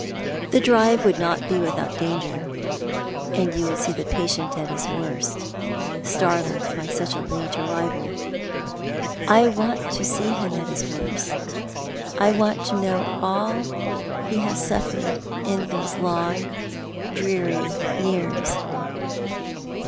The drive would not be without danger, and you would seo the patient at his worst, startled by such a late arrival." "I want to see him at his worst. I want to know all he has suffered in those long, dreary years."